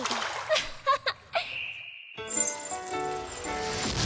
アハハハ！